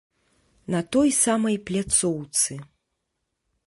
На той самай пляцоўцы.